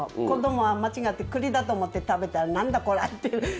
子供は間違ってくりだと思って食べたら「何だ？これ」って。